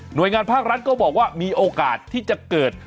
โดยงานภาครัฐก็บอกว่ามีโอกาสที่จะเกิด